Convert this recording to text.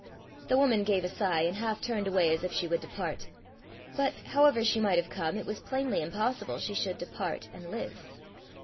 The woman gave a sigh, and half turned away as if she would depart. But however she might have come, it was plainly impossible she should depart and live.